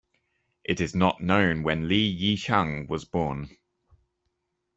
It is not known when Li Yichang was born.